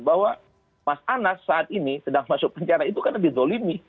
bahwa mas anas saat ini sedang masuk penjara itu karena dizolimi